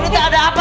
nen lu ada apa